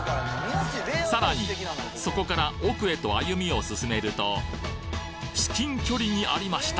さらにそこから奥へと歩みを進めると至近距離にありました。